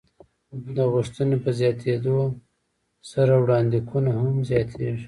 د غوښتنې په زیاتېدو سره وړاندېکونه هم زیاتېږي.